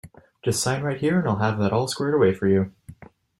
Just sign right here and I’ll have that all squared away for you.